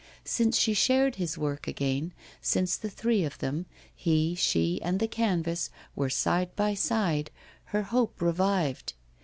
Since she shared his work again, since the three of them, he, she, and the canvas, were side by side, her hope revived.